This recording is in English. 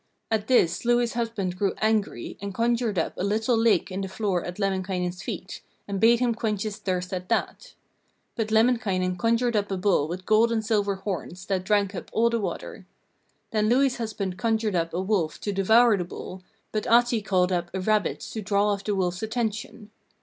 At this Louhi's husband grew angry and conjured up a little lake in the floor at Lemminkainen's feet, and bade him quench his thirst at that. But Lemminkainen conjured up a bull with gold and silver horns, that drank up all the water. Then Louhi's husband conjured up a wolf to devour the bull, but Ahti called up a rabbit to draw off the wolf's attention.